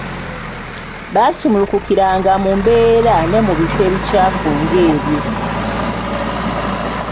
Baasumulukukiranga mu mbeera ne mu bifo ebikyafu ng’ebyo.